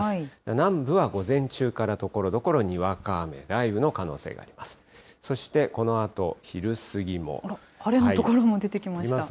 南部は午前中からところどころ、にわか雨、雷雨の可能性があります。